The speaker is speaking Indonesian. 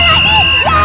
gol yang tak